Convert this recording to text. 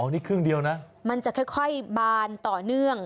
นี่ครึ่งเดียวนะมันจะค่อยบานต่อเนื่อง